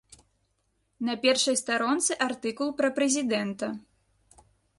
На першай старонцы артыкул пра прэзідэнта.